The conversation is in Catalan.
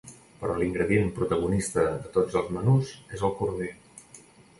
Però l’ingredient protagonista de tots els menús és el corder.